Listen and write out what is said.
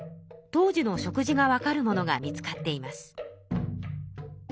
当時の食事がわかるものが見つかっています。